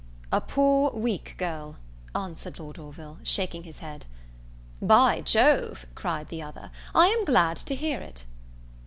"A poor weak girl!" answered Lord Orville, shaking his head. "By Jove," cried the other, "I am glad to hear it!"